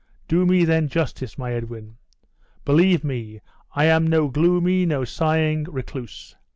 Do me then justice, my Edwin! believe me, I am no gloomy, no sighing, recluse.